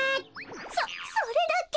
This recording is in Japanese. そそれだけ！？